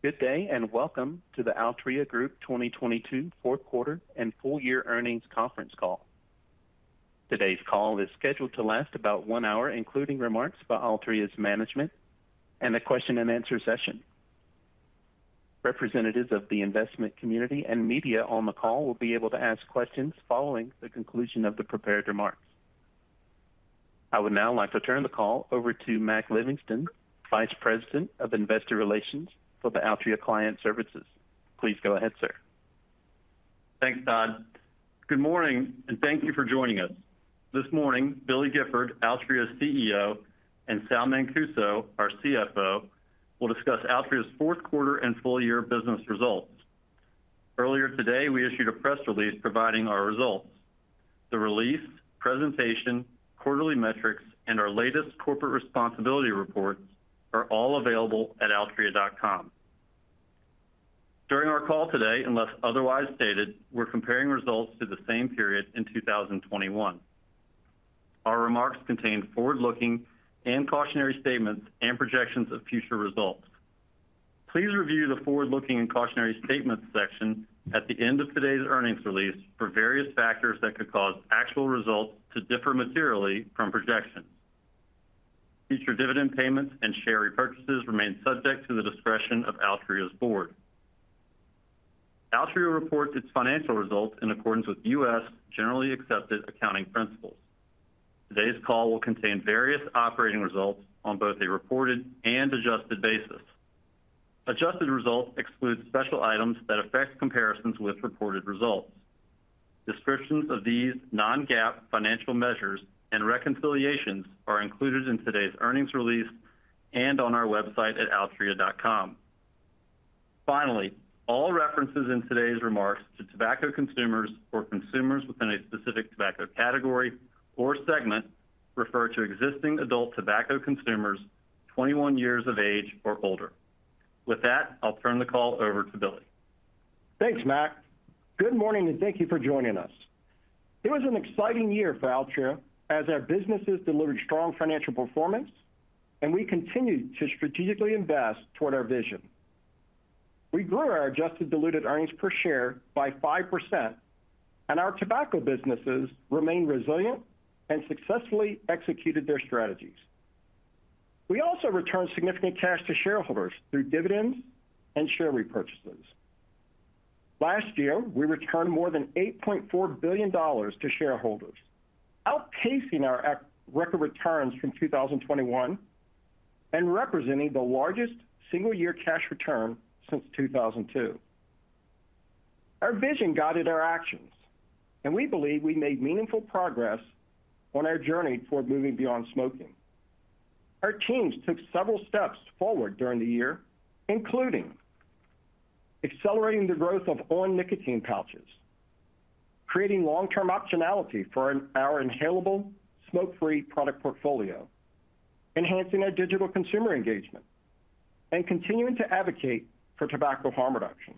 Good day, and welcome to the Altria Group 2022 Fourth Quarter and Full Year Earnings Conference Call. Today's call is scheduled to last about one hour, including remarks by Altria's management and a question and answer session. Representatives of the investment community and media on the call will be able to ask questions following the conclusion of the prepared remarks. I would now like to turn the call over to Mac Livingston, Vice President of Investor Relations for the Altria Client Services. Please go ahead, sir. Thanks, Todd. Good morning, thank you for joining us. This morning, Billy Gifford, Altria's CEO, and Sal Mancuso, our CFO, will discuss Altria's fourth quarter and full year business results. Earlier today, we issued a press release providing our results. The release, presentation, quarterly metrics, and our latest corporate responsibility reports are all available at altria.com. During our call today, unless otherwise stated, we're comparing results to the same period in 2021. Our remarks contain forward-looking and cautionary statements and projections of future results. Please review the forward-looking and cautionary statements section at the end of today's earnings release for various factors that could cause actual results to differ materially from projections. Future dividend payments and share repurchases remain subject to the discretion of Altria's board. Altria reports its financial results in accordance with U.S. Generally Accepted Accounting Principles. Today's call will contain various operating results on both a reported and adjusted basis. Adjusted results exclude special items that affect comparisons with reported results. Descriptions of these non-GAAP financial measures and reconciliations are included in today's earnings release and on our website at altria.com. All references in today's remarks to tobacco consumers or consumers within a specific tobacco category or segment refer to existing adult tobacco consumers 21 years of age or older. With that, I'll turn the call over to Billy. Thanks, Mac. Good morning, thank you for joining us. It was an exciting year for Altria as our businesses delivered strong financial performance, and we continued to strategically invest toward our vision. We grew our adjusted diluted earnings per share by 5%, and our tobacco businesses remained resilient and successfully executed their strategies. We also returned significant cash to shareholders through dividends and share repurchases. Last year, we returned more than $8.4 billion to shareholders, outpacing our record returns from 2021 and representing the largest single-year cash return since 2002. Our vision guided our actions, and we believe we made meaningful progress on our journey toward moving beyond smoking. Our teams took several steps forward during the year, including accelerating the growth of on! Nicotine pouches, creating long-term optionality for our inhalable smoke-free product portfolio, enhancing our digital consumer engagement, and continuing to advocate for tobacco harm reduction.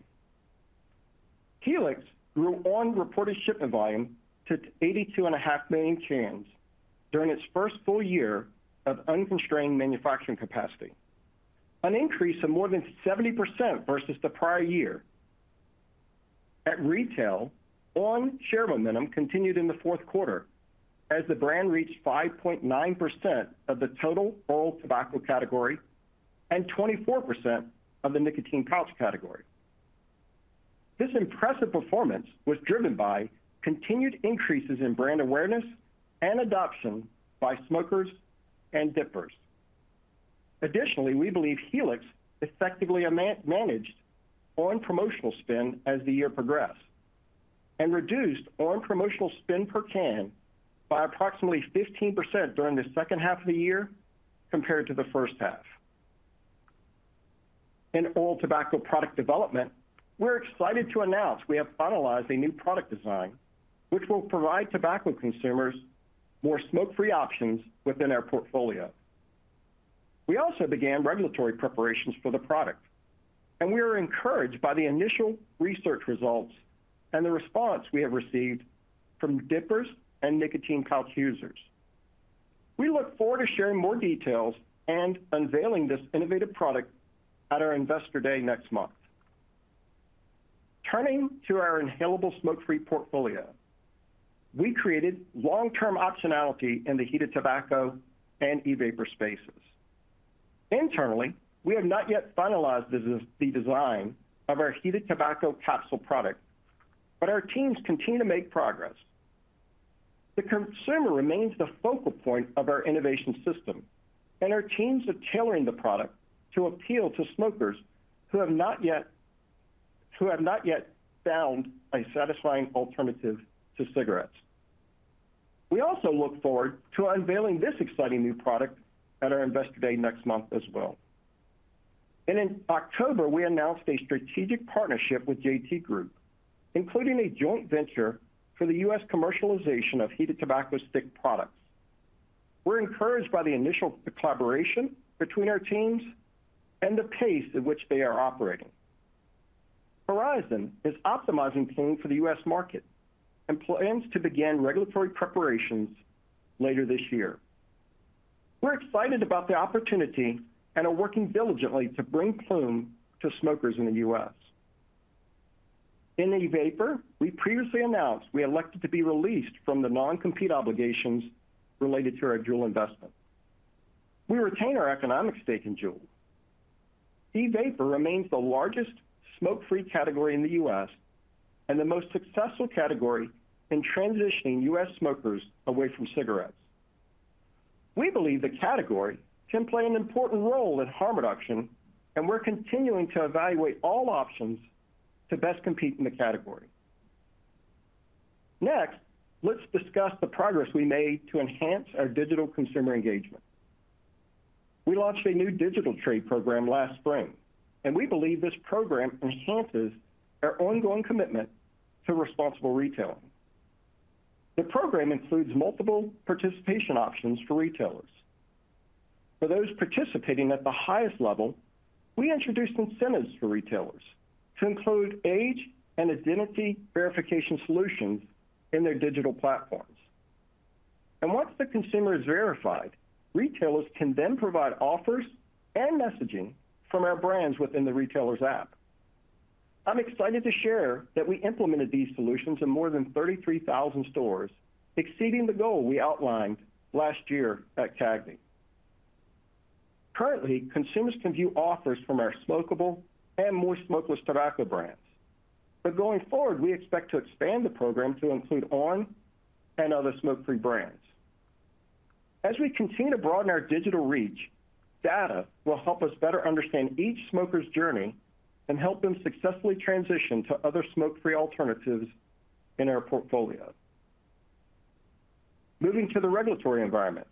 Helix grew on! reported shipment volume to 82.5 million cans during its first full year of unconstrained manufacturing capacity, an increase of more than 70% versus the prior year. At retail, on! share momentum continued in the fourth quarter as the brand reached 5.9% of the total oral tobacco category and 24% of the nicotine pouch category. This impressive performance was driven by continued increases in brand awareness and adoption by smokers and dippers. Additionally, we believe Helix effectively managed on! promotional spend as the year progressed and reduced on! promotional spend per can by approximately 15% during the second half of the year compared to the first half. In oral tobacco product development, we're excited to announce we have finalized a new product design which will provide tobacco consumers more smoke-free options within our portfolio. We also began regulatory preparations for the product, and we are encouraged by the initial research results and the response we have received from dippers and nicotine pouch users. We look forward to sharing more details and unveiling this innovative product at our Investor Day next month. Turning to our inhalable smoke-free portfolio. We created long-term optionality in the heated tobacco and e-vapor spaces. Internally, we have not yet finalized the design of our heated tobacco capsule product, but our teams continue to make progress. The consumer remains the focal point of our innovation system, and our teams are tailoring the product to appeal to smokers who have not yet found a satisfying alternative to cigarettes. We also look forward to unveiling this exciting new product at our Investor Day next month as well. In October, we announced a strategic partnership with JT Group, including a joint venture for the U.S. commercialization of heated tobacco stick products. We're encouraged by the initial collaboration between our teams and the pace at which they are operating. Horizon is optimizing Ploom for the U.S. market and plans to begin regulatory preparations later this year. We're excited about the opportunity and are working diligently to bring Ploom to smokers in the U.S. In e-vapor, we previously announced we elected to be released from the non-compete obligations related to our JUUL investment. We retain our economic stake in JUUL. E-vapor remains the largest smoke-free category in the U.S. and the most successful category in transitioning U.S. smokers away from cigarettes. We believe the category can play an important role in harm reduction, and we're continuing to evaluate all options to best compete in the category. Next, let's discuss the progress we made to enhance our digital consumer engagement. We launched a new digital trade program last spring, and we believe this program enhances our ongoing commitment to responsible retailing. The program includes multiple participation options for retailers. For those participating at the highest level, we introduced incentives for retailers to include age and identity verification solutions in their digital platforms. Once the consumer is verified, retailers can then provide offers and messaging from our brands within the retailer's app. I'm excited to share that we implemented these solutions in more than 33,000 stores, exceeding the goal we outlined last year at CAGNY. Currently, consumers can view offers from our smokable and moist smokeless tobacco brands. Going forward, we expect to expand the program to include on! and other smoke-free brands. As we continue to broaden our digital reach, data will help us better understand each smoker's journey and help them successfully transition to other smoke-free alternatives in our portfolio. Moving to the regulatory environment.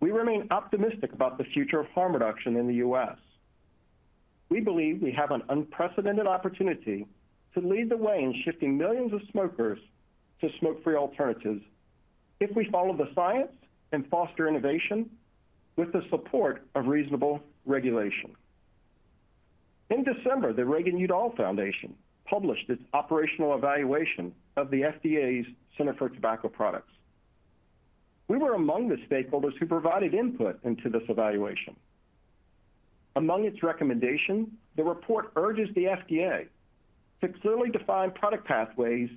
We remain optimistic about the future of harm reduction in the U.S. We believe we have an unprecedented opportunity to lead the way in shifting millions of smokers to smoke-free alternatives if we follow the science and foster innovation with the support of reasonable regulation. In December, the Reagan-Udall Foundation published its operational evaluation of the FDA's Center for Tobacco Products. We were among the stakeholders who provided input into this evaluation. Among its recommendation, the report urges the FDA to clearly define product pathways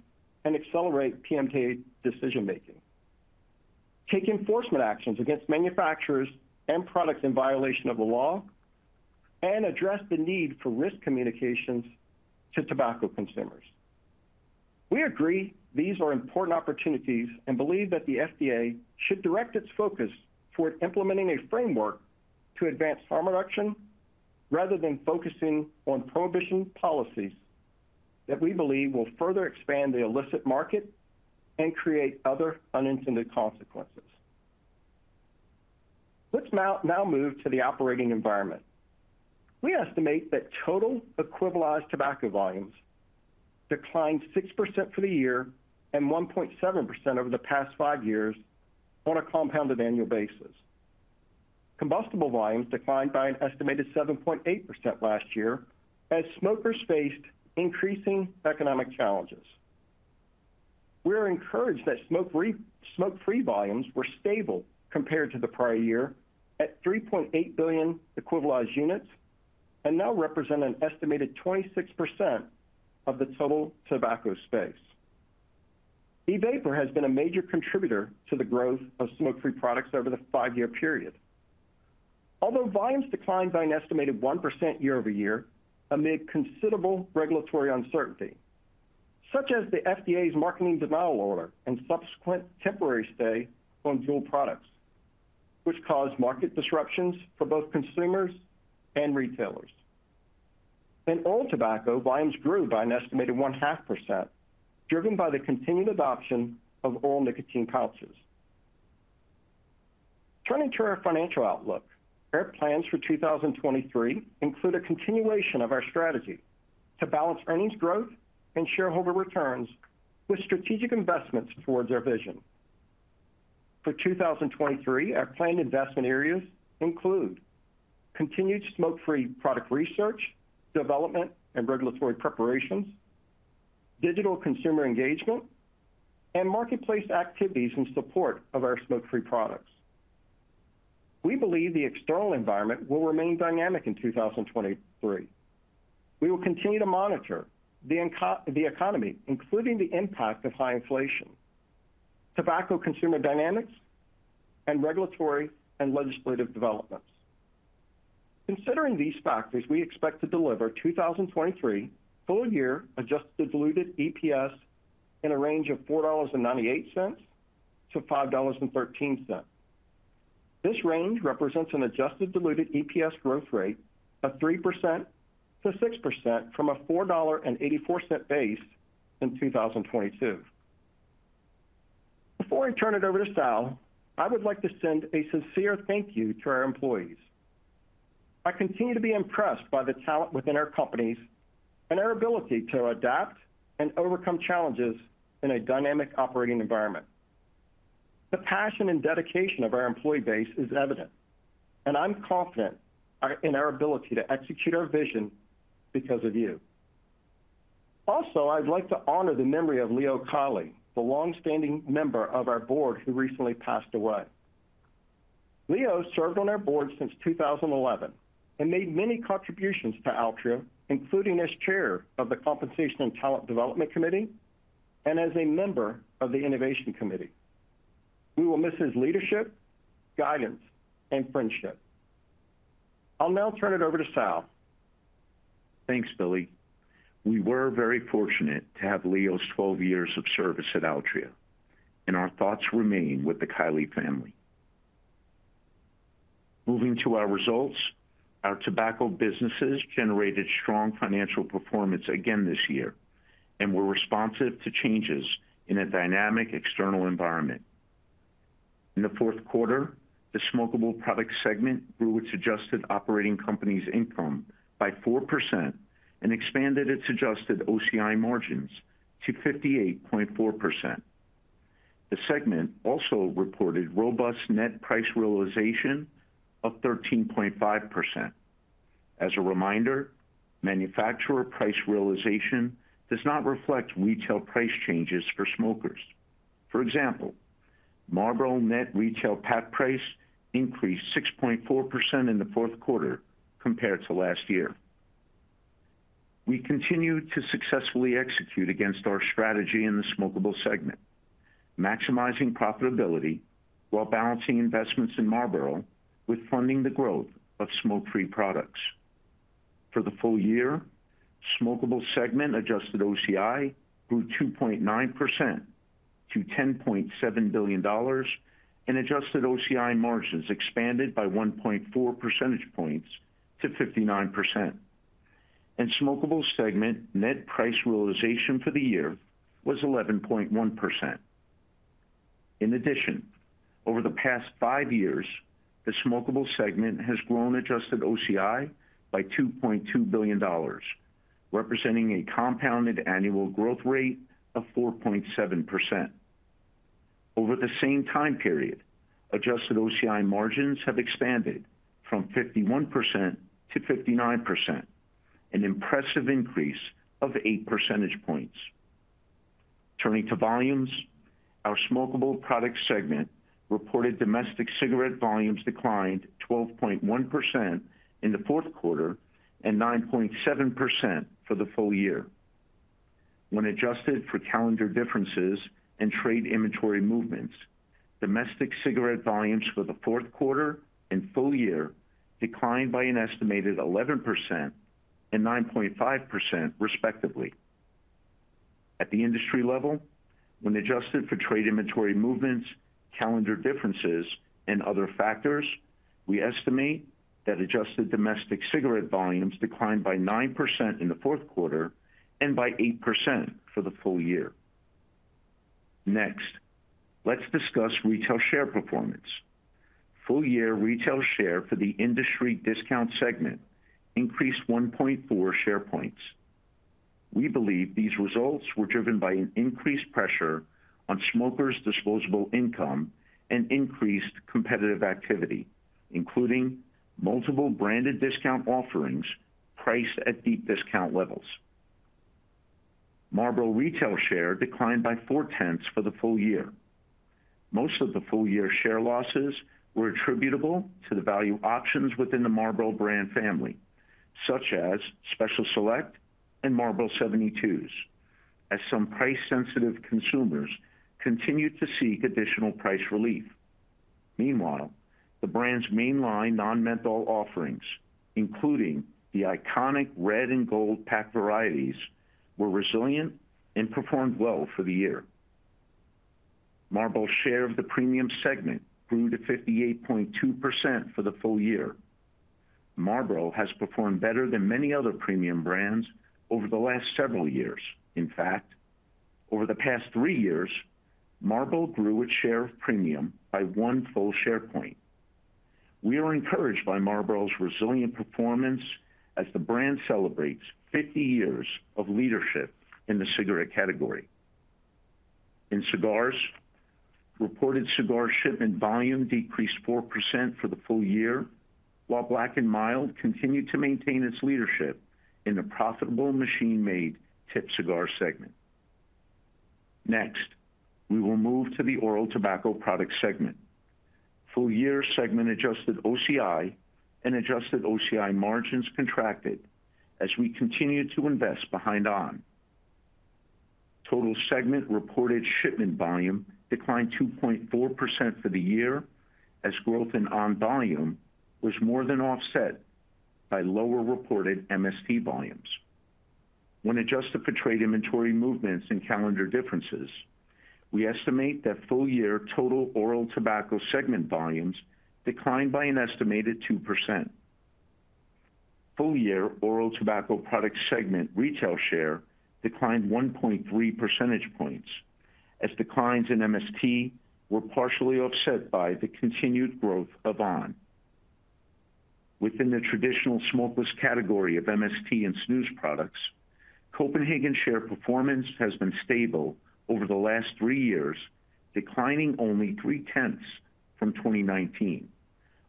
and accelerate PMTA decision-making, take enforcement actions against manufacturers and products in violation of the law, and address the need for risk communications to tobacco consumers. We agree these are important opportunities and believe that the FDA should direct its focus toward implementing a framework to advance harm reduction rather than focusing on prohibition policies that we believe will further expand the illicit market and create other unintended consequences. Let's now move to the operating environment. We estimate that total equivalized tobacco volumes declined 6% for the year and 1.7% over the past five years on a compounded annual basis. Combustible volumes declined by an estimated 7.8% last year as smokers faced increasing economic challenges. We are encouraged that smoke-free volumes were stable compared to the prior year at 3.8 billion equivalized units and now represent an estimated 26% of the total tobacco space. E-vapor has been a major contributor to the growth of smoke-free products over the five-year period. Although volumes declined by an estimated 1% year-over-year amid considerable regulatory uncertainty, such as the FDA's marketing denial order and subsequent temporary stay on JUUL products, which caused market disruptions for both consumers and retailers. In all tobacco, volumes grew by an estimated 0.5%, driven by the continued adoption of on! nicotine pouches. Turning to our financial outlook. Our plans for 2023 include a continuation of our strategy to balance earnings growth and shareholder returns with strategic investments towards our vision. For 2023, our planned investment areas include continued smoke-free product research, development, and regulatory preparations, digital consumer engagement, and marketplace activities in support of our smoke-free products. We believe the external environment will remain dynamic in 2023. We will continue to monitor the economy, including the impact of high inflation, tobacco consumer dynamics, and regulatory and legislative developments. Considering these factors, we expect to deliver 2023 full-year adjusted diluted EPS in a range of $4.98-$5.13. This range represents an adjusted diluted EPS growth rate of 3%-6% from a $4.84 base in 2022. Before I turn it over to Sal, I would like to send a sincere thank you to our employees. I continue to be impressed by the talent within our companies and our ability to adapt and overcome challenges in a dynamic operating environment. The passion and dedication of our employee base is evident, and I'm confident in our ability to execute our vision because of you. Also, I'd like to honor the memory of Leo Kiely, the longstanding member of our board who recently passed away. Leo served on our board since 2011 and made many contributions to Altria, including as chair of the Compensation and Talent Development Committee and as a member of the Innovation Committee. We will miss his leadership, guidance, and friendship. I'll now turn it over to Sal. Thanks, Billy. We were very fortunate to have Leo's 12 years of service at Altria, and our thoughts remain with the Kiely family. Moving to our results, our tobacco businesses generated strong financial performance again this year and were responsive to changes in a dynamic external environment. In the fourth quarter, the smokable products segment grew its adjusted operating company's income by 4% and expanded its adjusted OCI margins to 58.4%. The segment also reported robust net price realization of 13.5%. As a reminder, manufacturer price realization does not reflect retail price changes for smokers. For example, Marlboro net retail pack price increased 6.4% in the fourth quarter compared to last year. We continue to successfully execute against our strategy in the smokable segment, maximizing profitability while balancing investments in Marlboro with funding the growth of smoke-free products. For the full year, smokable segment adjusted OCI grew 2.9% to $10.7 billion and adjusted OCI margins expanded by 1.4 percentage points to 59%. Smokable segment net price realization for the year was 11.1%. In addition, over the past five years, the smokable segment has grown adjusted OCI by $2.2 billion, representing a compounded annual growth rate of 4.7%. Over the same time period, adjusted OCI margins have expanded from 51% to 59%, an impressive increase of 8 percentage points. Turning to volumes, our smokable products segment reported domestic cigarette volumes declined 12.1% in the fourth quarter and 9.7% for the full year. When adjusted for calendar differences and trade inventory movements, domestic cigarette volumes for the fourth quarter and full year declined by an estimated 11% and 9.5% respectively. At the industry level, when adjusted for trade inventory movements, calendar differences, and other factors, we estimate that adjusted domestic cigarette volumes declined by 9% in the fourth quarter and by 8% for the full year. Let's discuss retail share performance. Full year retail share for the industry discount segment increased 1.4 share points. We believe these results were driven by an increased pressure on smokers' disposable income and increased competitive activity, including multiple branded discount offerings priced at deep discount levels. Marlboro retail share declined by 0.4 for the full year. Most of the full-year share losses were attributable to the value options within the Marlboro brand family, such as Special Select and Marlboro 72s, as some price-sensitive consumers continued to seek additional price relief. The brand's mainline non-menthol offerings, including the iconic red and gold pack varieties, were resilient and performed well for the year. Marlboro's share of the premium segment grew to 58.2% for the full year. Marlboro has performed better than many other premium brands over the last several years. Over the past three years, Marlboro grew its share of premium by 1 full share point. We are encouraged by Marlboro's resilient performance as the brand celebrates 50 years of leadership in the cigarette category. In cigars, reported cigar shipment volume decreased 4% for the full year, while Black & Mild continued to maintain its leadership in the profitable machine-made tipped cigar segment. Next, we will move to the oral tobacco products segment. Full year segment adjusted OCI and adjusted OCI margins contracted as we continued to invest behind on!. Total segment reported shipment volume declined 2.4% for the year as growth in on! volume was more than offset by lower reported MST volumes. When adjusted for trade inventory movements and calendar differences, we estimate that full year total oral tobacco segment volumes declined by an estimated 2%. Full year oral tobacco products segment retail share declined 1.3 percentage points as declines in MST were partially offset by the continued growth of on!. Within the traditional smokeless category of MST and snus products, Copenhagen share performance has been stable over the last three years, declining only 0.3 from 2019,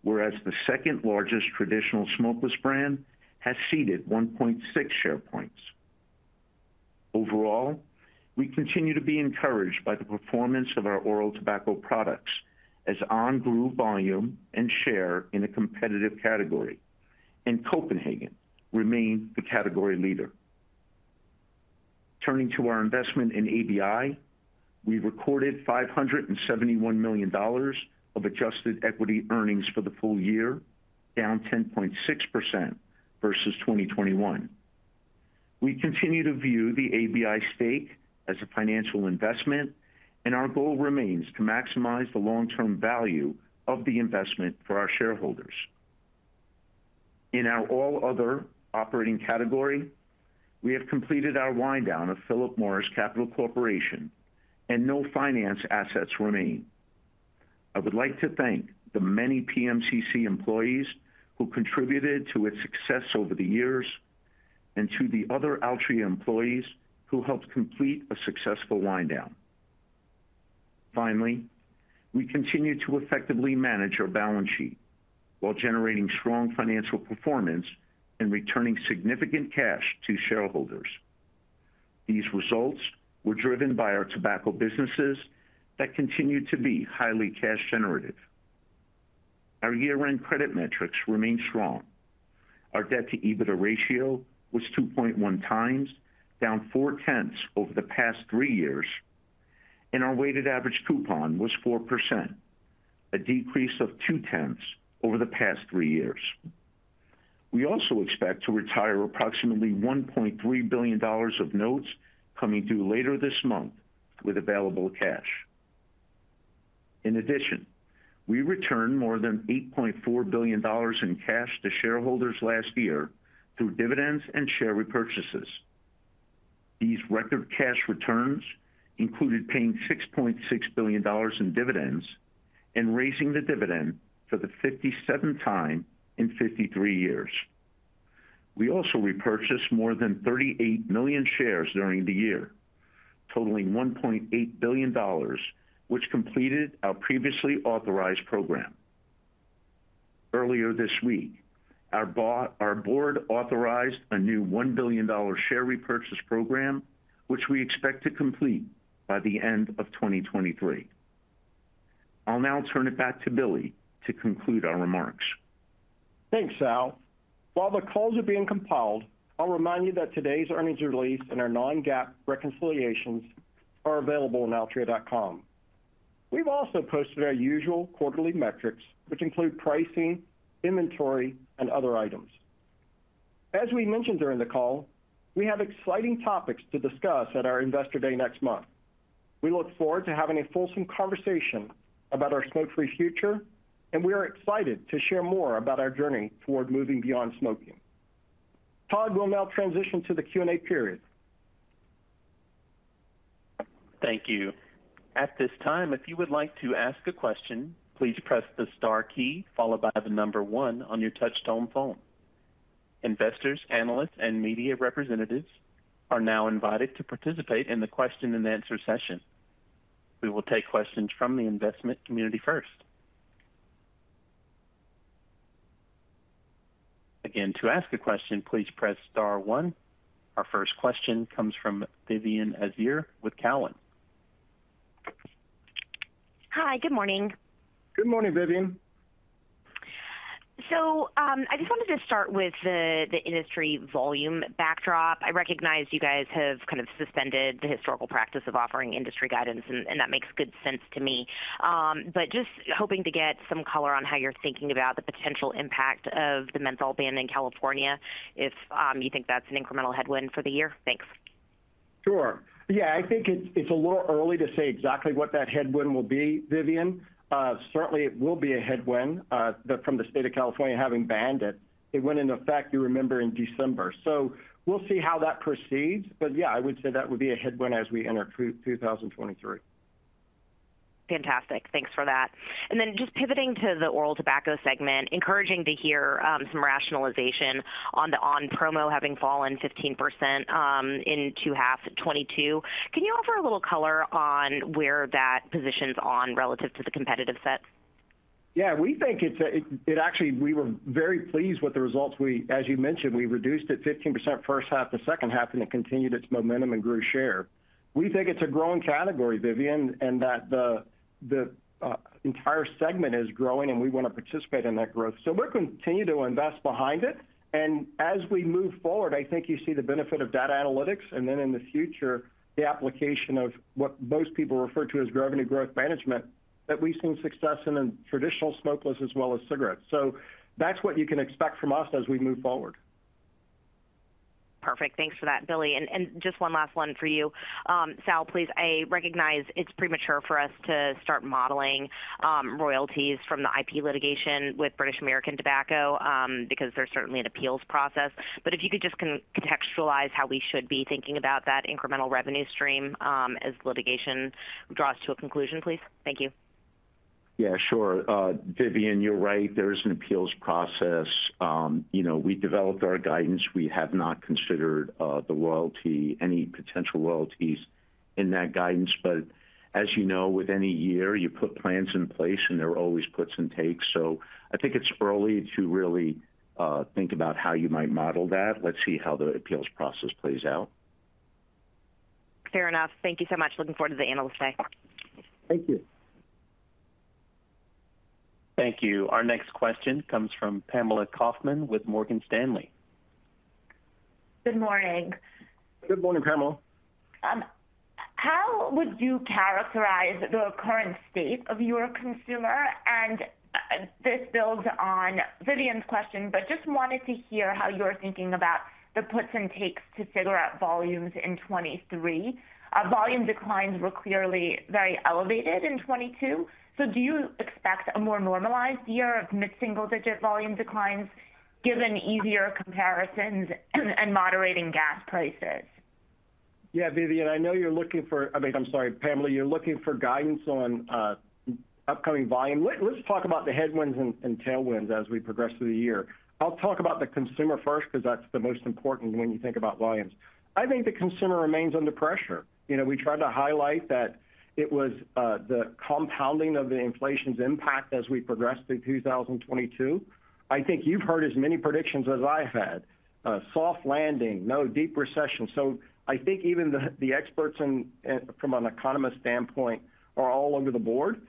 whereas the second largest traditional smokeless brand has ceded 1.6 share points. Overall, we continue to be encouraged by the performance of our oral tobacco products as on! grew volume and share in a competitive category, and Copenhagen remains the category leader. Turning to our investment in ABI, we recorded $571 million of adjusted equity earnings for the full year, down 10.6% versus 2021. We continue to view the ABI stake as a financial investment and our goal remains to maximize the long-term value of the investment for our shareholders. In our all other operating category, we have completed our wind down of Philip Morris Capital Corporation and no finance assets remain. I would like to thank the many PMCC employees who contributed to its success over the years and to the other Altria employees who helped complete a successful wind down. We continue to effectively manage our balance sheet while generating strong financial performance and returning significant cash to shareholders. These results were driven by our tobacco businesses that continue to be highly cash generative. Our year-end credit metrics remain strong. Our debt to EBITDA ratio was 2.1 times, down 0.4 over the past three years, and our weighted average coupon was 4%, a decrease of 0.2 over the past three years. We also expect to retire approximately $1.3 billion of notes coming due later this month with available cash. In addition, we returned more than $8.4 billion in cash to shareholders last year through dividends and share repurchases. These record cash returns included paying $6.6 billion in dividends and raising the dividend for the 57th time in 53 years. We also repurchased more than 38 million shares during the year, totaling $1.8 billion, which completed our previously authorized program. Earlier this week, our board authorized a new $1 billion share repurchase program, which we expect to complete by the end of 2023. I'll now turn it back to Billy to conclude our remarks. Thanks, Sal. While the calls are being compiled, I'll remind you that today's earnings release and our non-GAAP reconciliations are available on altria.com. We've also posted our usual quarterly metrics, which include pricing, inventory, and other items. As we mentioned during the call, we have exciting topics to discuss at our Investor Day next month. We look forward to having a fulsome conversation about our smoke-free future, and we are excited to share more about our journey toward moving beyond smoking. Todd will now transition to the Q&A period. Thank you. At this time, if you would like to ask a question, please press the star key followed by the number one on your touchtone phone. Investors, analysts, and media representatives are now invited to participate in the question and answer session. We will take questions from the investment community first. Again, to ask a question, please press star one. Our first question comes from Vivien Azer with Cowen. Hi. Good morning. Good morning, Vivien. I just wanted to start with the industry volume backdrop. I recognize you guys have kind of suspended the historical practice of offering industry guidance, and that makes good sense to me. Just hoping to get some color on how you're thinking about the potential impact of the menthol ban in California, if you think that's an incremental headwind for the year? Thanks. Sure. Yeah, I think it's a little early to say exactly what that headwind will be, Vivien. Certainly it will be a headwind, from the state of California having banned it. It went into effect, you remember, in December. We'll see how that proceeds. Yeah, I would say that would be a headwind as we enter 2023. Fantastic. Thanks for that. Just pivoting to the oral tobacco segment, encouraging to hear some rationalization on the on! promo having fallen 15% in two half 2022. Can you offer a little color on where that positions on! relative to the competitive set? We think it actually we were very pleased with the results. We, as you mentioned, we reduced it 15% first half to second half, and it continued its momentum and grew share. We think it's a growing category, Vivien, and that the entire segment is growing, and we wanna participate in that growth. We're continue to invest behind it. As we move forward, I think you see the benefit of data analytics and then in the future, the application of what most people refer to as revenue growth management that we've seen success in the traditional smokeless as well as cigarettes. That's what you can expect from us as we move forward. Perfect. Thanks for that, Billy. just one last one for you. Sal, please, I recognize it's premature for us to start modeling, royalties from the IP litigation with British American Tobacco, because there's certainly an appeals process. if you could just contextualize how we should be thinking about that incremental revenue stream, as litigation draws to a conclusion, please. Thank you. Yeah, sure. Vivien, you're right, there is an appeals process. You know, we developed our guidance. We have not considered the royalty, any potential royalties in that guidance. As you know, with any year, you put plans in place and there are always puts and takes. I think it's early to really think about how you might model that. Let's see how the appeals process plays out. Fair enough. Thank you so much. Looking forward to the Analyst Day. Thank you. Thank you. Our next question comes from Pamela Kaufman with Morgan Stanley. Good morning. Good morning, Pamela. How would you characterize the current state of your consumer? This builds on Vivien's question, but just wanted to hear how you're thinking about the puts and takes to cigarette volumes in 2023. Volume declines were clearly very elevated in 2022. Do you expect a more normalized year of mid-single-digit volume declines given easier comparisons and moderating gas prices? Yeah, Vivien, I mean, I'm sorry, Pamela, you're looking for guidance on upcoming volume. Let's talk about the headwinds and tailwinds as we progress through the year. I'll talk about the consumer first because that's the most important when you think about volumes. I think the consumer remains under pressure. You know, we tried to highlight that it was the compounding of the inflation's impact as we progressed through 2022. I think you've heard as many predictions as I have. Soft landing, no deep recession. I think even the experts in from an economist standpoint are all over the board.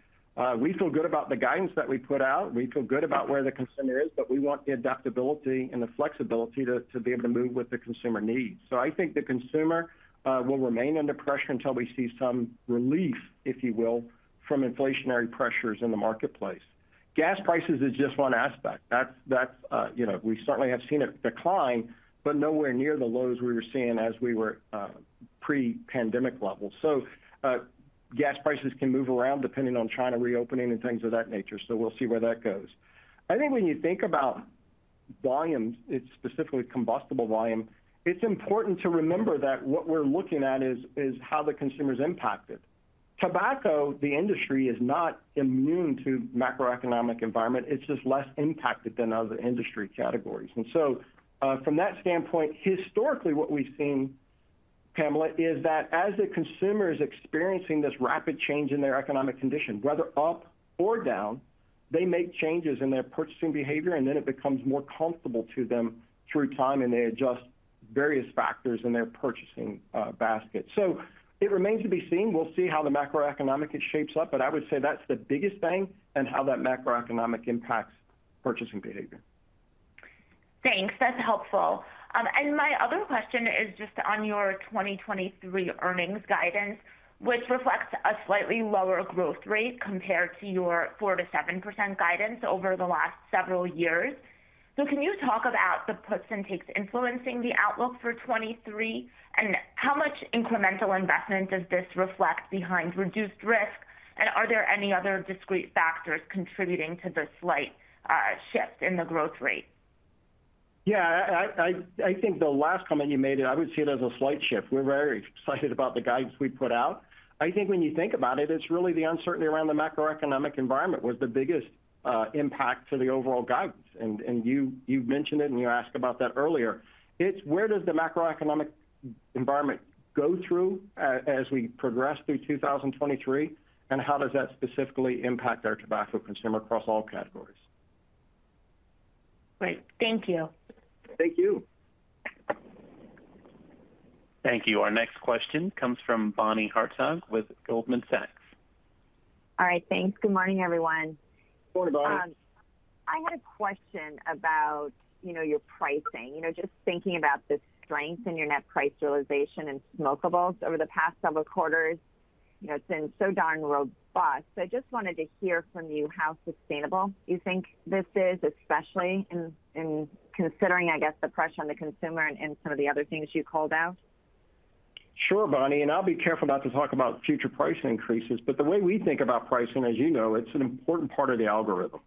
We feel good about the guidance that we put out. We feel good about where the consumer is, but we want the adaptability and the flexibility to be able to move with the consumer needs. I think the consumer will remain under pressure until we see some relief, if you will, from inflationary pressures in the marketplace. Gas prices is just one aspect. That's, you know, we certainly have seen a decline, but nowhere near the lows we were seeing as we were pre-pandemic levels. Gas prices can move around depending on China reopening and things of that nature. We'll see where that goes. I think when you think about volumes, it's specifically combustible volume, it's important to remember that what we're looking at is how the consumer is impacted. Tobacco, the industry, is not immune to macroeconomic environment. It's just less impacted than other industry categories. From that standpoint, historically what we've seen, Pamela, is that as the consumer is experiencing this rapid change in their economic condition, whether up or down, they make changes in their purchasing behavior, and then it becomes more comfortable to them through time, and they adjust various factors in their purchasing basket. It remains to be seen. We'll see how the macroeconomic shapes up. I would say that's the biggest thing and how that macroeconomic impacts purchasing behavior. Thanks. That's helpful. My other question is just on your 2023 earnings guidance, which reflects a slightly lower growth rate compared to your 4%-7% guidance over the last several years. Can you talk about the puts and takes influencing the outlook for 2023? How much incremental investment does this reflect behind reduced risk? Are there any other discrete factors contributing to the slight shift in the growth rate? Yeah, I think the last comment you made, I would see it as a slight shift. We're very excited about the guidance we put out. I think when you think about it's really the uncertainty around the macroeconomic environment was the biggest impact to the overall guidance. You mentioned it when you asked about that earlier. It's where does the macroeconomic environment go through as we progress through 2023, and how does that specifically impact our tobacco consumer across all categories? Great. Thank you. Thank you. Thank you. Our next question comes from Bonnie Herzog with Goldman Sachs. All right. Thanks. Good morning, everyone. Good morning, Bonnie. I had a question about, you know, your pricing. You know, just thinking about the strength in your net price realization in smokables over the past several quarters. You know, it's been so darn robust. I just wanted to hear from you how sustainable you think this is, especially in considering, I guess, the pressure on the consumer and some of the other things you called out. Sure, Bonnie. I'll be careful not to talk about future price increases, but the way we think about pricing, as you know, it's an important part of the algorithm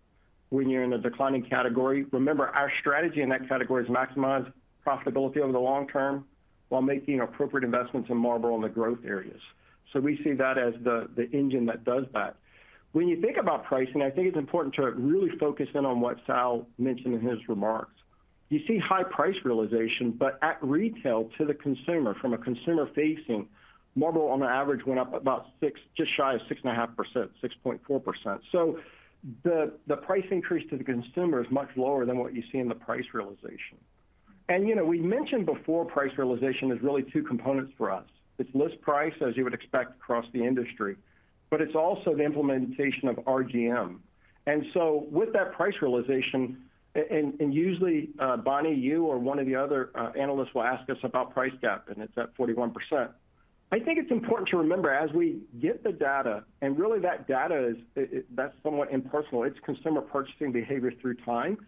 when you're in a declining category. Remember, our strategy in that category is maximize profitability over the long term while making appropriate investments in Marlboro in the growth areas. We see that as the engine that does that. When you think about pricing, I think it's important to really focus in on what Sal mentioned in his remarks. You see high price realization, but at retail to the consumer, from a consumer facing, Marlboro on average went up about just shy of 6.5%, 6.4%. The price increase to the consumer is much lower than what you see in the price realization. You know, we mentioned before, price realization is really two components for us. It's list price, as you would expect across the industry, but it's also the implementation of RGM. With that price realization, and usually, Bonnie, you or one of the other analysts will ask us about price gap, and it's at 41%. I think it's important to remember as we get the data, and really that data is that's somewhat impersonal. It's consumer purchasing behavior through time.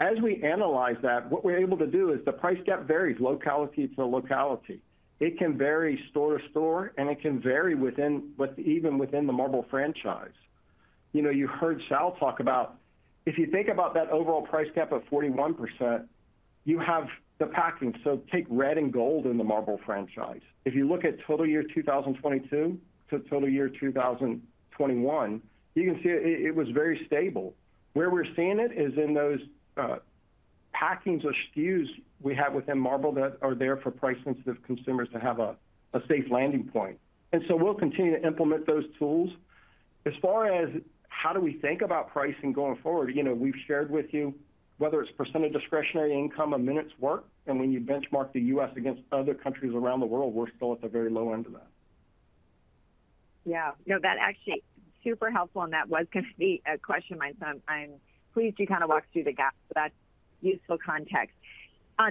As we analyze that, what we're able to do is the price gap varies locality to locality. It can vary store to store, and it can vary within even within the Marlboro franchise. You know, you heard Sal talk about if you think about that overall price gap of 41%. You have the packing. Take red and gold in the Marlboro franchise. If you look at total year 2022 to total year 2021, you can see it was very stable. Where we're seeing it is in those packings or SKUs we have within Marlboro that are there for price-sensitive consumers to have a safe landing point. We'll continue to implement those tools. As far as how do we think about pricing going forward, you know, we've shared with you whether it's percentage of discretionary income or minutes worked, and when you benchmark the U.S. against other countries around the world, we're still at the very low end of that. No, that actually super helpful, and that was gonna be a question of mine, so I'm pleased you kind of walked through the GAAP. That's useful context.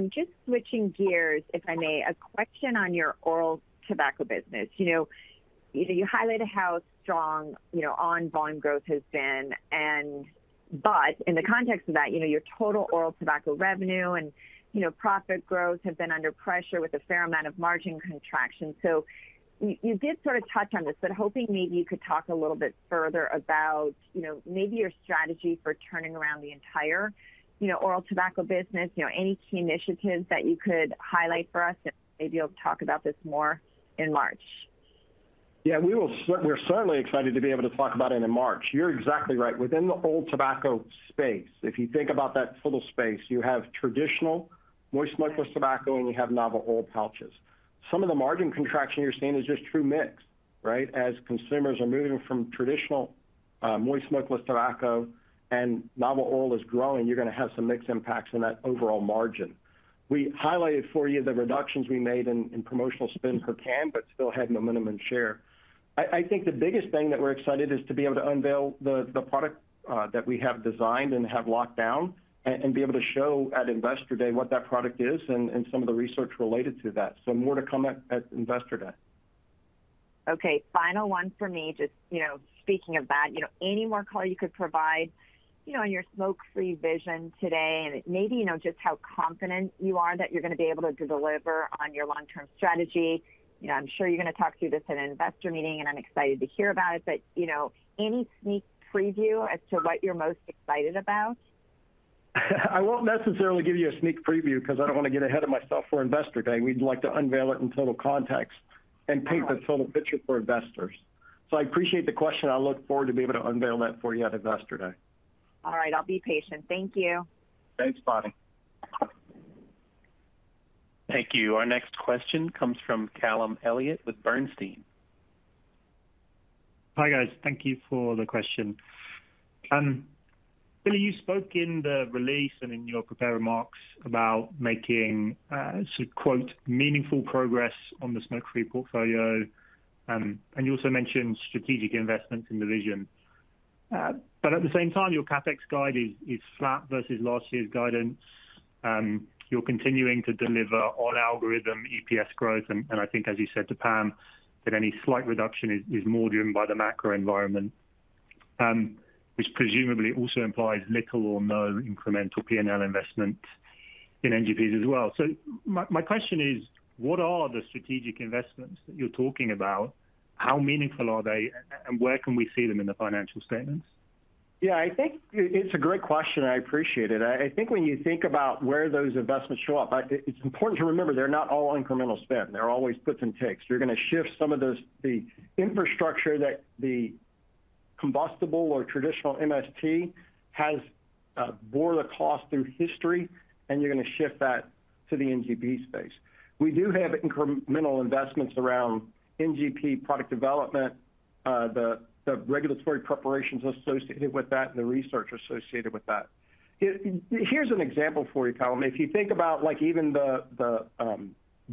Just switching gears, if I may, a question on your oral tobacco business. You know, you highlighted how strong, you know, on! volume growth has been and but in the context of that, you know, your total oral tobacco revenue and, you know, profit growth have been under pressure with a fair amount of margin contraction. You did sort of touch on this, but hoping maybe you could talk a little bit further about, you know, maybe your strategy for turning around the entire, you know, oral tobacco business. You know, any key initiatives that you could highlight for us, and maybe you'll talk about this more in March. We're certainly excited to be able to talk about it in March. You're exactly right. Within the oral tobacco space, if you think about that total space, you have traditional moist smokeless tobacco, and you have novel oral pouches. Some of the margin contraction you're seeing is just true mix, right? As consumers are moving from traditional moist smokeless tobacco and novel oral is growing, you're gonna have some mixed impacts on that overall margin. We highlighted for you the reductions we made in promotional spend per can, but still having a minimum share. I think the biggest thing that we're excited is to be able to unveil the product that we have designed and have locked down and be able to show at Investor Day what that product is and some of the research related to that. More to come at Investor Day. Final one for me. Just, you know, speaking of that, you know, any more color you could provide, you know, on your smoke-free vision today, and maybe, you know, just how confident you are that you're gonna be able to deliver on your long-term strategy? You know, I'm sure you're gonna talk through this at Investor Meeting, and I'm excited to hear about it. You know, any sneak preview as to what you're most excited about? I won't necessarily give you a sneak preview because I don't wanna get ahead of myself for Investor Day. We'd like to unveil it in total context and paint the total picture for investors. I appreciate the question. I look forward to be able to unveil that for you at Investor Day. All right. I'll be patient. Thank you. Thanks, Bonnie. Thank you. Our next question comes from Callum Elliott with Bernstein. Hi, guys. Thank you for the question. Billy, you spoke in the release and in your prepared remarks about making, quote, "meaningful progress on the smoke-free portfolio," and you also mentioned strategic investments in the vision. At the same time, your CapEx guide is flat versus last year's guidance. You're continuing to deliver on algorithm EPS growth, and I think as you said to Pam, that any slight reduction is more driven by the macro environment, which presumably also implies little or no incremental P&L investment in NGPs as well. My question is: What are the strategic investments that you're talking about? How meaningful are they, and where can we see them in the financial statements? I think it's a great question. I appreciate it. I think when you think about where those investments show up, it's important to remember they're not all incremental spend. There are always puts and takes. You're gonna shift some of those... the infrastructure that the combustible or traditional MST has bore the cost through history, and you're gonna shift that to the NGP space. We do have incremental investments around NGP product development, the regulatory preparations associated with that and the research associated with that. Here's an example for you, Callum. If you think about, like, even the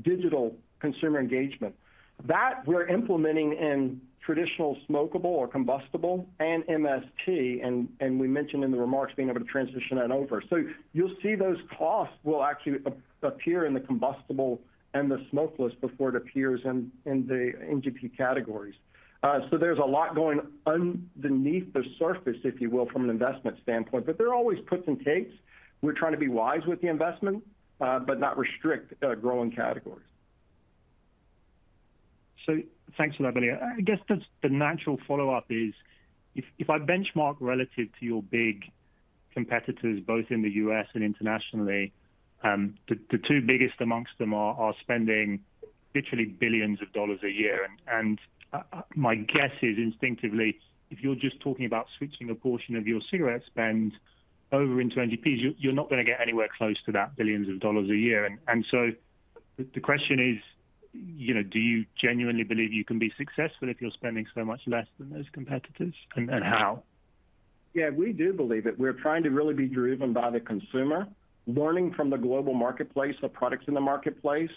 digital consumer engagement, that we're implementing in traditional smokable or combustible and MST, and we mentioned in the remarks being able to transition that over. You'll see those costs will actually appear in the combustible and the smokeless before it appears in the NGP categories. There's a lot going underneath the surface, if you will, from an investment standpoint, but there are always puts and takes. We're trying to be wise with the investment, but not restrict growing categories. Thanks for that, Billy. I guess the natural follow-up is if I benchmark relative to your big competitors, both in the U.S. and internationally, the two biggest amongst them are spending literally billions of dollars a year. My guess is instinctively, if you're just talking about switching a portion of your cigarette spend over into NGPs, you're not gonna get anywhere close to that billions of dollars a year. The question is, you know, do you genuinely believe you can be successful if you're spending so much less than those competitors, and how? Yeah, we do believe it. We're trying to really be driven by the consumer, learning from the global marketplace, the products in the marketplace,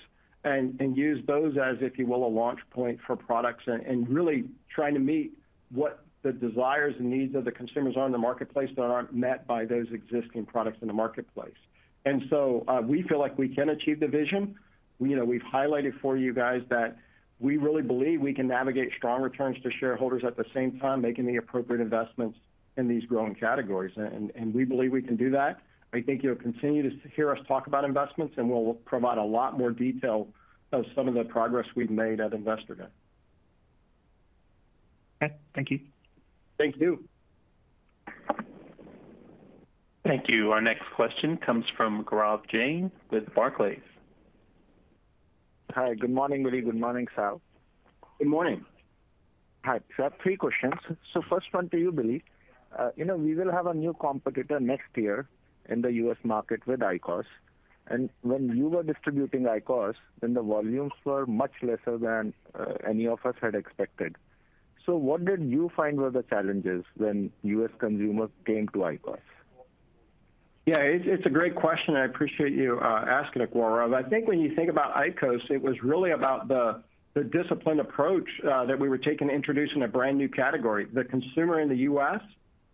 and use those as, if you will, a launch point for products and really trying to meet what the desires and needs of the consumers are in the marketplace that aren't met by those existing products in the marketplace. We feel like we can achieve the vision. You know, we've highlighted for you guys that we really believe we can navigate strong returns to shareholders at the same time making the appropriate investments in these growing categories. And we believe we can do that. I think you'll continue to hear us talk about investments, and we'll provide a lot more detail of some of the progress we've made at Investor Day. Okay, thank you. Thank you. Thank you. Our next question comes from Gaurav Jain with Barclays. Hi, good morning, Billy. Good morning, Sal. Good morning. Hi. I have three questions. First one to you, Billy. you know, we will have a new competitor next year in the U.S. market with IQOS. When you were distributing IQOS, then the volumes were much lesser than any of us had expected. What did you find were the challenges when U.S. consumers came to IQOS? Yeah, it's a great question, and I appreciate you asking it, Gaurav. I think when you think about IQOS, it was really about the disciplined approach that we were taking introducing a new category. The consumer in the U.S.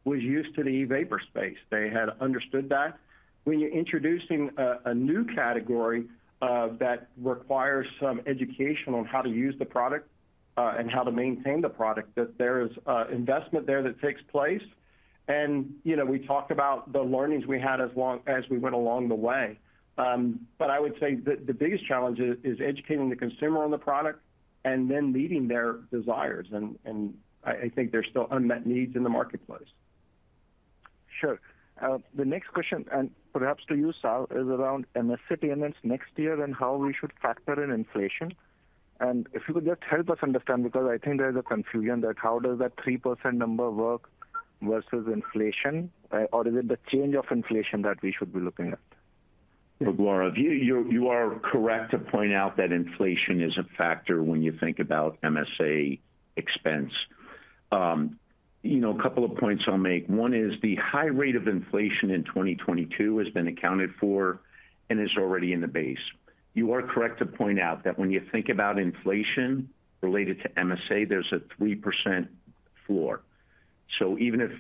was used to the e-vapor space. They had understood that. When you're introducing a new category that requires some education on how to use the product and how to maintain the product, that there is investment there that takes place. You know, we talked about the learnings we had as we went along the way. I would say the biggest challenge is educating the consumer on the product and then meeting their desires. I think there's still unmet needs in the marketplace. Sure. The next question, and perhaps to you, Sal, is around MSA payments next year and how we should factor in inflation. If you could just help us understand, because I think there is a confusion that how does that 3% number work versus inflation, or is it the change of inflation that we should be looking at? Gaurav, you are correct to point out that inflation is a factor when you think about MSA expense. You know, a couple of points I'll make. One is the high rate of inflation in 2022 has been accounted for and is already in the base. You are correct to point out that when you think about inflation related to MSA, there's a 3% floor. So even if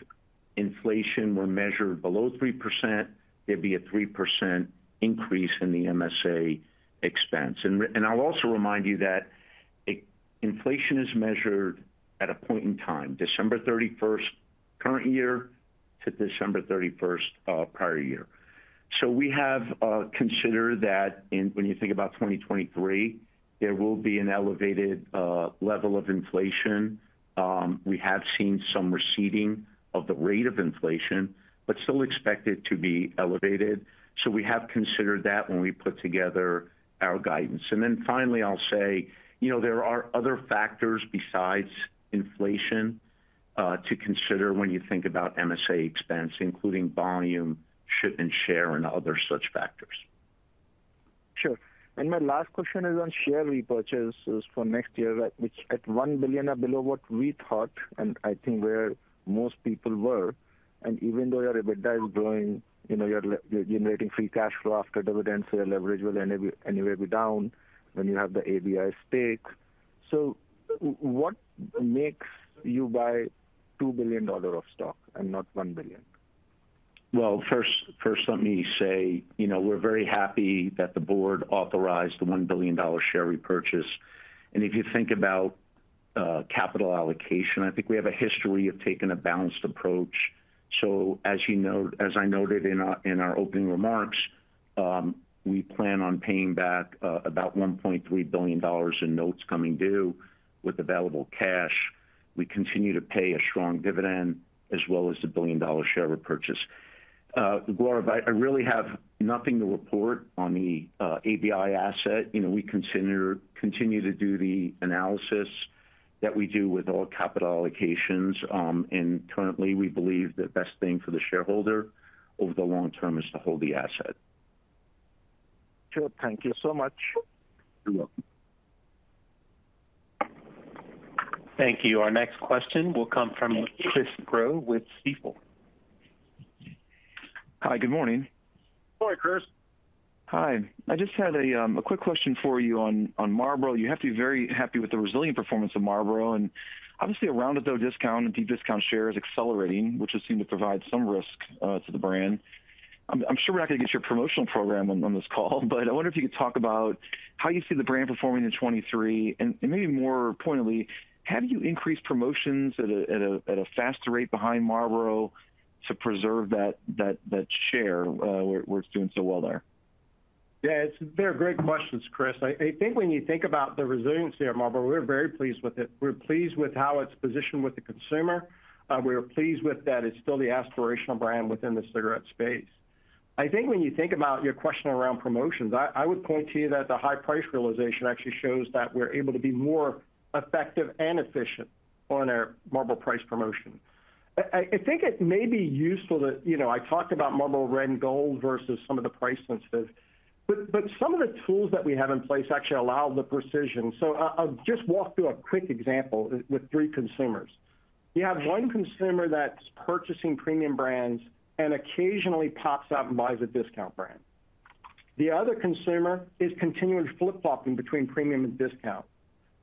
inflation were measured below 3%, there'd be a 3% increase in the MSA expense. I'll also remind you that inflation is measured at a point in time, December 31st current year to December 31st prior year. So we have considered that when you think about 2023, there will be an elevated level of inflation. We have seen some receding of the rate of inflation, still expect it to be elevated. We have considered that when we put together our guidance. Finally, I'll say, you know, there are other factors besides inflation to consider when you think about MSA expense, including volume, ship and share and other such factors. Sure. My last question is on share repurchases for next year at which at $1 billion are below what we thought, and I think where most people were. Even though your EBITDA is growing, you know, you're generating free cash flow after dividends, so your leverage will anywhere be down when you have the ABI stake. What makes you buy $2 billion of stock and not $1 billion? Well, first, let me say, you know, we're very happy that the board authorized the $1 billion share repurchase. If you think about capital allocation, I think we have a history of taking a balanced approach. As I noted in our opening remarks, we plan on paying back about $1.3 billion in notes coming due with available cash. We continue to pay a strong dividend as well as the $1 billion share repurchase. Gaurav, I really have nothing to report on the ABI asset. You know, we continue to do the analysis that we do with all capital allocations. Currently, we believe the best thing for the shareholder over the long term is to hold the asset. Sure. Thank you so much. You're welcome. Thank you. Our next question will come from Chris Growe with Stifel. Hi, good morning. Good morning, Chris. Hi. I just had a quick question for you on Marlboro. You have to be very happy with the resilient performance of Marlboro, and obviously a rounded out discount and deep discount share is accelerating, which has seemed to provide some risk to the brand. I'm sure we're not gonna get your promotional program on this call, but I wonder if you could talk about how you see the brand performing in 2023. Maybe more pointedly, have you increased promotions at a faster rate behind Marlboro to preserve that share where it's doing so well there? Yeah, it's very great questions, Chris. I think when you think about the resiliency of Marlboro, we're very pleased with it. We're pleased with how it's positioned with the consumer. We are pleased with that it's still the aspirational brand within the cigarette space. I think when you think about your question around promotions, I would point to you that the high price realization actually shows that we're able to be more effective and efficient on our Marlboro price promotion. I think it may be useful to, you know, I talked about Marlboro Red and Gold versus some of the price senses, but some of the tools that we have in place actually allow the precision. I'll just walk through a quick example with three consumers. You have one consumer that's purchasing premium brands and occasionally pops out and buys a discount brand. The other consumer is continually flip-flopping between premium and discount.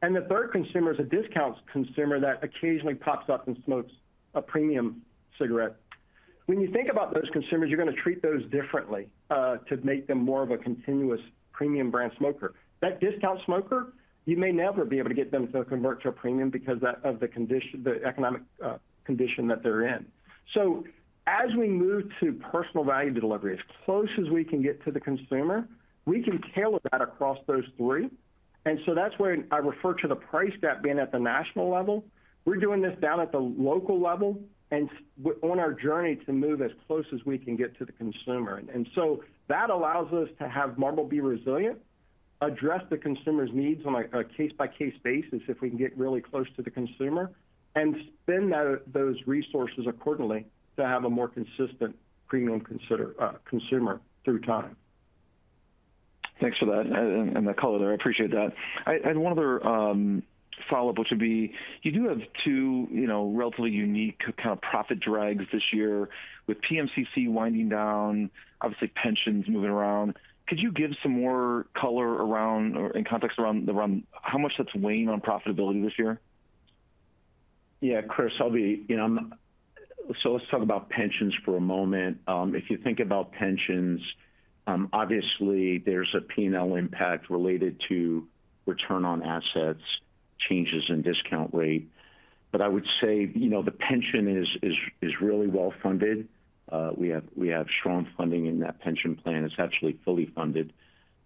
The third consumer is a discount consumer that occasionally pops up and smokes a premium cigarette. When you think about those consumers, you're gonna treat those differently, to make them more of a continuous premium brand smoker. That discount smoker, you may never be able to get them to convert to a premium because of the condition, the economic, condition that they're in. As we move to personal value delivery, as close as we can get to the consumer, we can tailor that across those three. That's where I refer to the price gap being at the national level. We're doing this down at the local level on our journey to move as close as we can get to the consumer. That allows us to have Marlboro be resilient, address the consumer's needs on a case-by-case basis if we can get really close to the consumer, and spend that, those resources accordingly to have a more consistent premium consumer through time. Thanks for that and that color. I appreciate that. I had one other, follow-up, which would be, you do have two, you know, relatively unique kind of profit drags this year with PMCC winding down, obviously pensions moving around. Could you give some more color around or in context around how much that's weighing on profitability this year? Chris, you know, let's talk about pensions for a moment. If you think about pensions, obviously there's a P&L impact related to return on assets, changes in discount rate. I would say, you know, the pension is really well funded. We have strong funding in that pension plan. It's actually fully funded,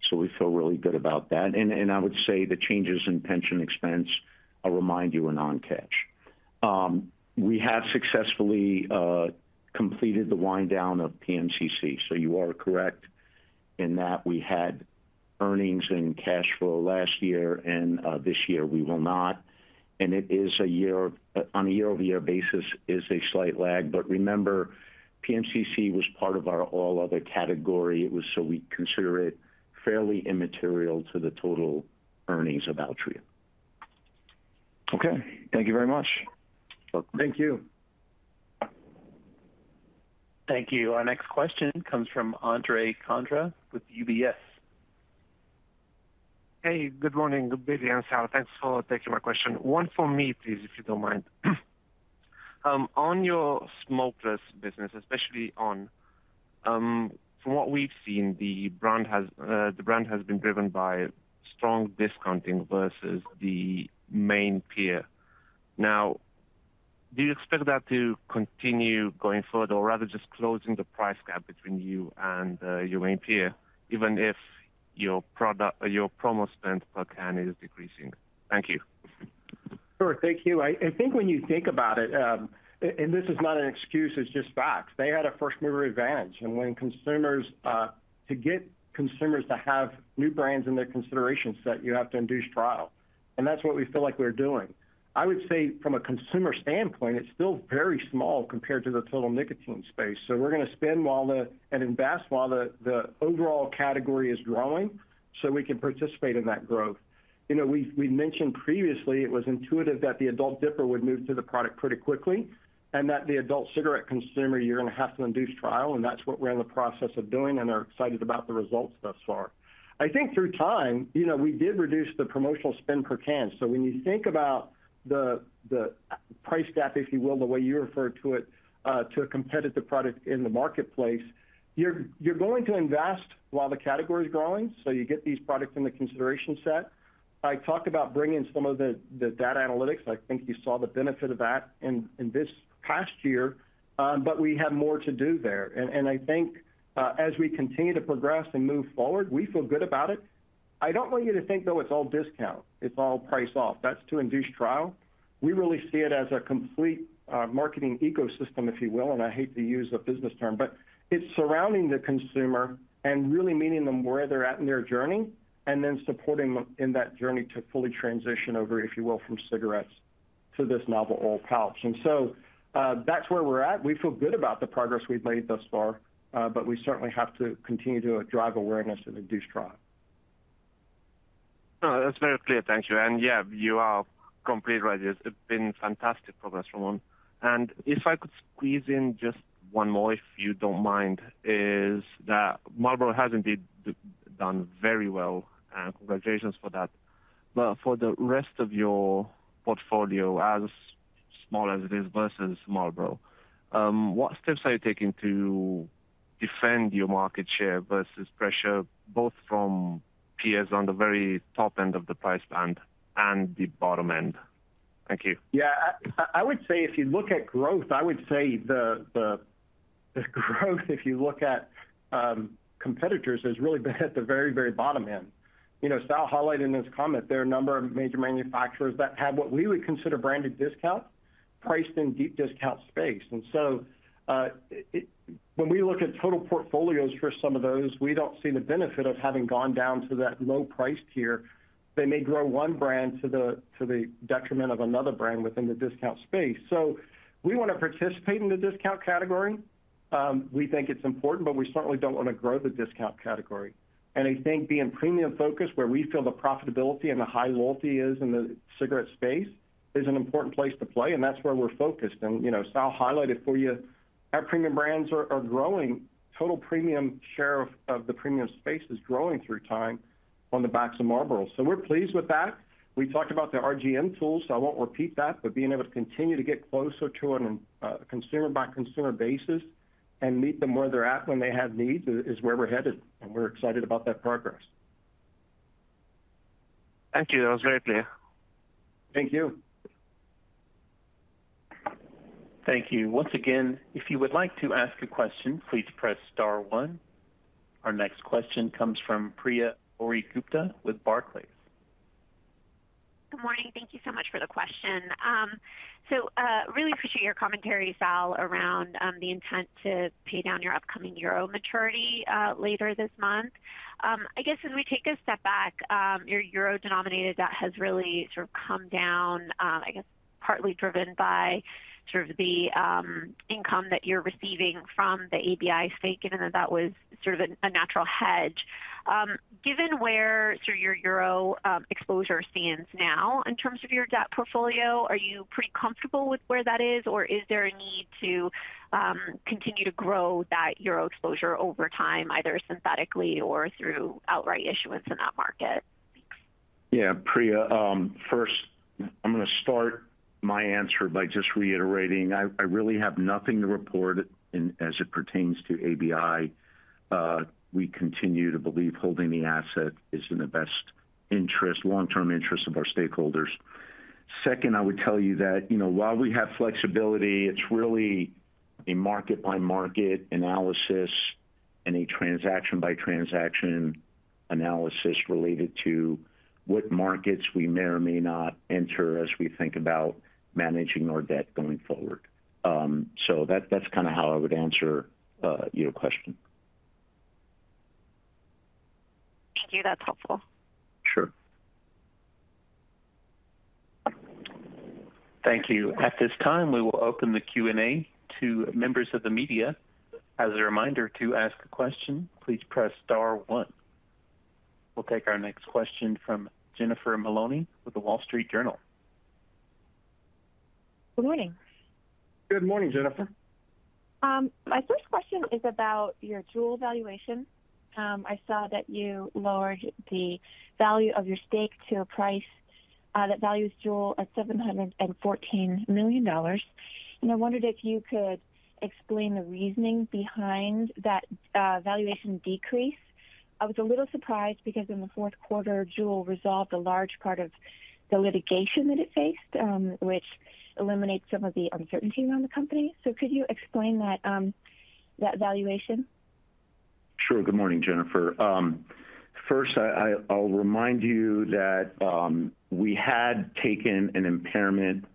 so we feel really good about that. I would say the changes in pension expense, I'll remind you, are non-cash. We have successfully completed the wind down of PMCC. You are correct in that we had earnings and cash flow last year and this year we will not. It is a year-over-year basis is a slight lag. Remember, PMCC was part of our all other category. It was we consider it fairly immaterial to the total earnings of Altria. Okay. Thank you very much. Welcome. Thank you. Thank you. Our next question comes from Andrei Condrea with UBS. Hey, good morning. Good day to you, Sal. Thanks for taking my question. One for me, please, if you don't mind. On your smokeless business, especially on!, from what we've seen, the brand has been driven by strong discounting versus the main peer. Do you expect that to continue going forward or rather just closing the price gap between you and your main peer, even if your product or your promo spend per can is decreasing? Thank you. Sure. Thank you. I think when you think about it, and this is not an excuse, it's just facts. They had a first-mover advantage. When consumers, to get consumers to have new brands in their consideration set, you have to induce trial. That's what we feel like we're doing. I would say from a consumer standpoint, it's still very small compared to the total nicotine space. We're going to spend and invest while the overall category is growing so we can participate in that growth. You know, we mentioned previously it was intuitive that the adult dipper would move to the product pretty quickly, and that the adult cigarette consumer, you're going to have to induce trial, and that's what we're in the process of doing, and are excited about the results thus far. I think through time, you know, we did reduce the promotional spend per can. When you think about the price gap, if you will, the way you referred to it, to a competitive product in the marketplace, you're going to invest while the category is growing, so you get these products in the consideration set. I talked about bringing some of the data analytics. I think you saw the benefit of that in this past year, we have more to do there. I think as we continue to progress and move forward, we feel good about it. I don't want you to think, though, it's all discount, it's all price off. That's to induce trial. We really see it as a complete marketing ecosystem, if you will, and I hate to use a business term, but it's surrounding the consumer and really meeting them where they're at in their journey and then supporting them in that journey to fully transition over, if you will, from cigarettes to this novel oral pouch. That's where we're at. We feel good about the progress we've made thus far. We certainly have to continue to drive awareness and induce trial. No, that's very clear. Thank you. Yeah, you are completely right. It's been fantastic progress from them. If I could squeeze in just one more, if you don't mind, is that Marlboro has indeed done very well, and congratulations for that. For the rest of your portfolio, as small as it is versus Marlboro, what steps are you taking to defend your market share versus pressure both from peers on the very top end of the price band and the bottom end? Thank you. Yeah. I would say if you look at growth, I would say the growth, if you look at competitors, has really been at the very bottom end. You know, Sal highlighted in his comment, there are a number of major manufacturers that have what we would consider branded discount priced in deep discount space. When we look at total portfolios for some of those, we don't see the benefit of having gone down to that low price tier. They may grow one brand to the detriment of another brand within the discount space. We want to participate in the discount category. We think it's important, but we certainly don't want to grow the discount category. I think being premium focused, where we feel the profitability and the high loyalty is in the cigarette space, is an important place to play, that's where we're focused. You know, Sal highlighted for you, our premium brands are growing. Total premium share of the premium space is growing through time on the backs of Marlboro. We're pleased with that. We talked about the RGM tools, I won't repeat that, but being able to continue to get closer to it on a consumer-by-consumer basis and meet them where they're at when they have needs is where we're headed, we're excited about that progress. Thank you. That was very clear. Thank you. Thank you. Once again, if you would like to ask a question, please press star one. Our next question comes from Priya Ohri-Gupta with Barclays. Good morning. Thank you so much for the question. Really appreciate your commentary, Sal, around the intent to pay down your upcoming euro maturity later this month. I guess as we take a step back, your euro-denominated debt has really sort of come down, I guess partly driven by sort of the income that you're receiving from the ABI stake, given that that was sort of a natural hedge. Given where sort of your euro exposure stands now in terms of your debt portfolio, are you pretty comfortable with where that is? Or is there a need to continue to grow that EUR exposure over time, either synthetically or through outright issuance in that market? Priya, first I'm gonna start my answer by just reiterating I really have nothing to report in, as it pertains to ABI. We continue to believe holding the asset is in the best interest, long-term interest of our stakeholders. Second, I would tell you that, you know, while we have flexibility, it's really a market-by-market analysis and a transaction-by-transaction analysis related to what markets we may or may not enter as we think about managing our debt going forward. That's kind of how I would answer your question. Thank you. That's helpful. Sure. Thank you. At this time, we will open the Q&A to members of the media. As a reminder, to ask a question, please press star one. We'll take our next question from Jennifer Maloney with The Wall Street Journal. Good morning. Good morning, Jennifer. My first question is about your JUUL valuation. I saw that you lowered the value of your stake to a price that values JUUL at $714 million, and I wondered if you could explain the reasoning behind that valuation decrease. I was a little surprised because in the fourth quarter, JUUL resolved a large part of the litigation that it faced, which eliminates some of the uncertainty around the company. Could you explain that valuation? Sure. Good morning, Jennifer. First I'll remind you that we had taken an impairment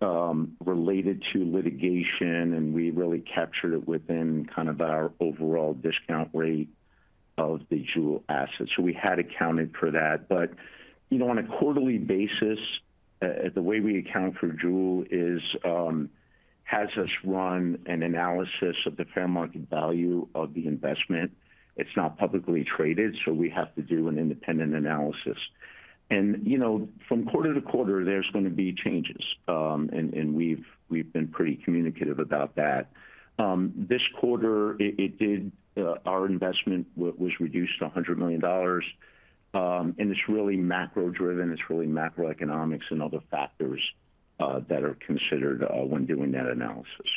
related to litigation, and we really captured it within kind of our overall discount rate of the JUUL assets. We had accounted for that. You know, on a quarterly basis, the way we account for JUUL is has us run an analysis of the fair market value of the investment. It's not publicly traded, so we have to do an independent analysis. You know, from quarter to quarter, there's gonna be changes. We've been pretty communicative about that. This quarter it did, our investment was reduced $100 million. It's really macro-driven. It's really macroeconomics and other factors that are considered when doing that analysis.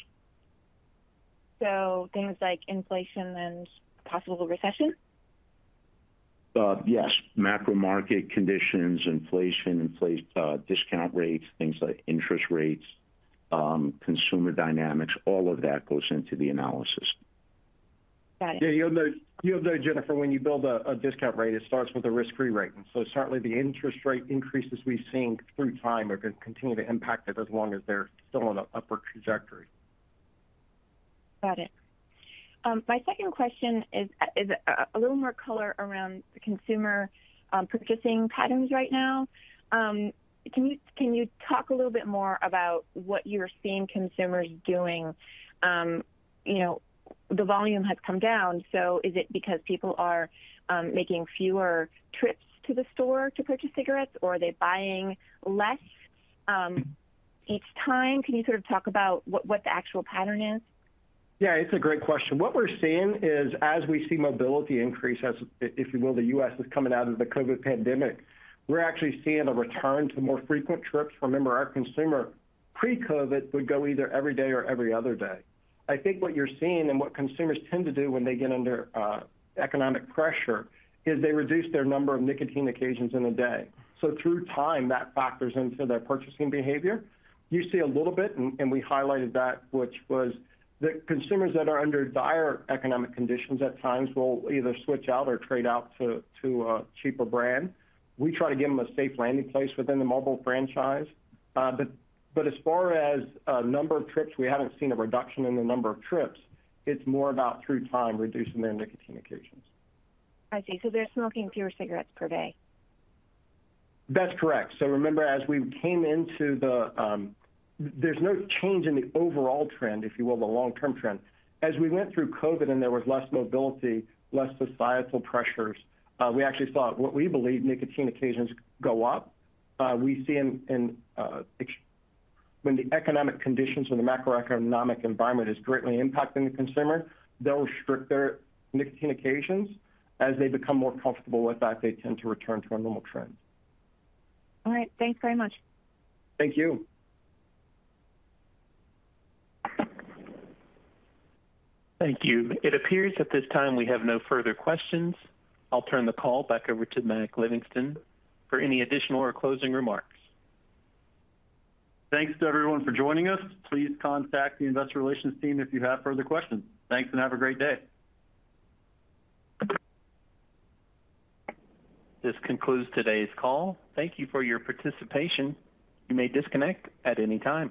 Things like inflation and possible recession? Yes. Macro market conditions, inflation, discount rates, things like interest rates, consumer dynamics, all of that goes into the analysis. Got it. Yeah, you'll note, Jennifer, when you build a discount rate, it starts with a risk-free rate. Certainly the interest rate increases we've seen through time are gonna continue to impact it as long as they're still on a upper trajectory. Got it. My second question is a little more color around consumer purchasing patterns right now. Can you talk a little bit more about what you're seeing consumers doing? You know, the volume has come down. Is it because people are making fewer trips to the store to purchase cigarettes, or are they buying less each time? Can you sort of talk about what the actual pattern is? Yeah, it's a great question. What we're seeing is as we see mobility increase as, if you will, the U.S. is coming out of the COVID pandemic, we're actually seeing a return to more frequent trips. Remember, our consumer pre-COVID would go either every day or every other day. I think what you're seeing and what consumers tend to do when they get under economic pressure is they reduce their number of nicotine occasions in a day. Through time, that factors into their purchasing behavior. You see a little bit, and we highlighted that, which was the consumers that are under dire economic conditions at times will either switch out or trade out to a cheaper brand. We try to give them a safe landing place within the Marlboro franchise. As far as number of trips, we haven't seen a reduction in the number of trips. It's more about through time reducing their nicotine occasions. I see. They're smoking fewer cigarettes per day. That's correct. Remember, there's no change in the overall trend, if you will, the long-term trend. As we went through COVID and there was less mobility, less societal pressures, we actually saw what we believe nicotine occasions go up. When the economic conditions or the macroeconomic environment is greatly impacting the consumer, they'll restrict their nicotine occasions. As they become more comfortable with that, they tend to return to a normal trend. All right. Thanks very much. Thank you. Thank you. It appears at this time we have no further questions. I'll turn the call back over to Mac Livingston for any additional or closing remarks. Thanks to everyone for joining us. Please contact the investor relations team if you have further questions. Thanks, and have a great day. This concludes today's call. Thank you for your participation. You may disconnect at any time.